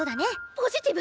ポジティブ！